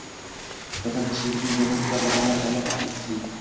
Vatan tinchligi uchun jonini fido qilganlarga Alloh rahmat qilsin.